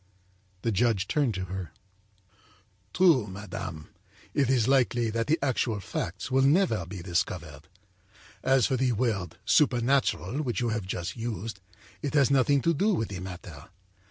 â The judge turned to her: âTrue, madame, it is likely that the actual facts will never be discovered. As for the word 'supernatural' which you have just used, it has nothing to do with the matter.